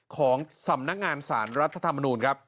ของสำนักงานสารรัฐธรรมนูลครับ